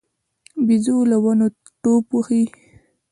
بيزو له ونو ټوپ وهي.